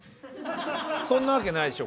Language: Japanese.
そんなわけないでしょ